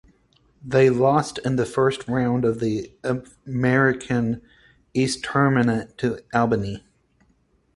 They lost in the First round of the America East Tournament to Albany.